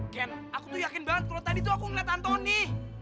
ken aku tuh yakin banget kalau tadi tuh aku ngeliat antoni